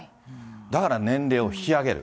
だから年齢を引き上げる。